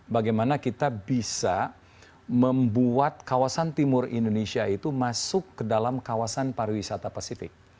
bagaimana kita bisa membuat kawasan timur indonesia itu masuk ke dalam kawasan pariwisata pasifik